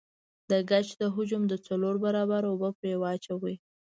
د ګچ د حجم د څلور برابره اوبه پرې واچوئ.